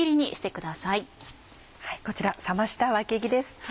こちら冷ましたわけぎです。